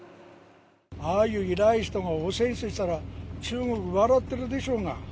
ああいう偉い人が汚染水って言ったら、中国、笑ってるでしょうが。